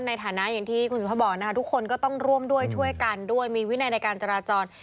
ในฐานะอย่างที่คุณสุภาพบอกนะคะทุกคนก็ต้องร่วมด้วยช่วยกันด้วยมีวินัยในการจราจร